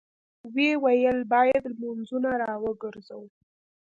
ويې ويل: بايد لمونځونه راوګرځوو!